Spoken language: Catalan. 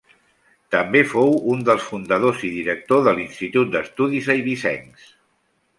També fou un dels fundadors i director de l'Institut d'Estudis Eivissencs.